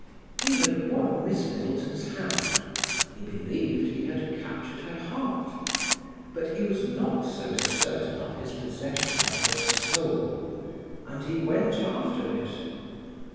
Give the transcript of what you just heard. He had won Miss Middleton's hand; he believed he had captured her heart; but he was not so certain of his possession of her soul, and he went after it.